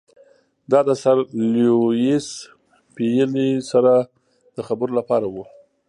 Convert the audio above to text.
دا د سر لیویس پیلي سره د خبرو لپاره وو.